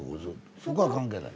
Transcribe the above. そこは関係ない？